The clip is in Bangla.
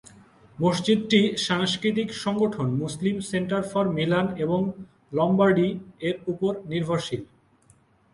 মসজিদটি সাংস্কৃতিক সংগঠন "মুসলিম সেন্টার ফর মিলান এবং লমবার্ডি"-এর ওপর নির্ভরশীল।